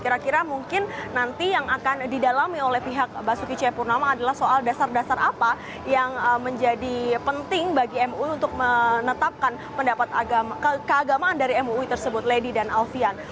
kira kira mungkin nanti yang akan didalami oleh pihak basuki cepurnama adalah soal dasar dasar apa yang menjadi penting bagi mui untuk menetapkan pendapat keagamaan dari mui tersebut lady dan alfian